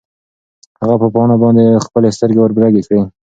هغه په پاڼه باندې خپلې سترګې وربرګې کړې.